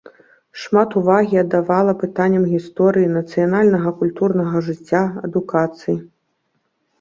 Шмат увагі аддавала пытанням гісторыі, нацыянальнага культурнага жыцця, адукацыі.